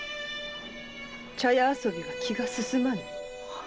茶屋遊びは気がすすまぬ。